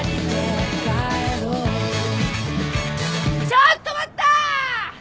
・ちょっと待った！